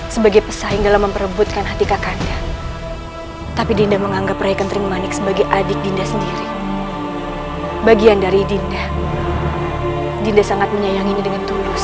sebagai pesaing dalam memperebutkan hati kakanda tapi dinda menganggap rekening manik sebagai adik dinda sendiri bagian dari dinda dinda sangat menyayangi dengan tulus